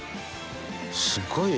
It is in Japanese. すごいよ！